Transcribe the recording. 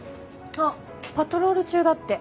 あっパトロール中だって。